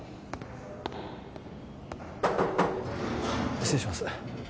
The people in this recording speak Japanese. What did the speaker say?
失礼します